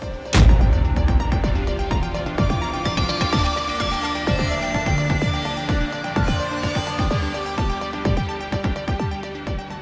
karena lo buta